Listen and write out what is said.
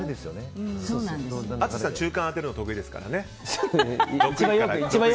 淳さん、中間を当てるの得意ですからね。